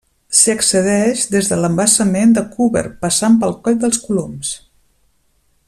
S'hi accedeix des de l'embassament de Cúber, passant pel Coll dels Coloms.